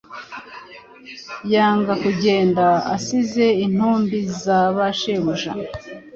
yanga kugenda assize intumbi za ba shebuja